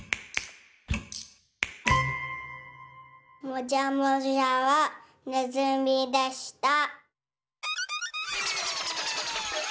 もじゃもじゃはねずみでした。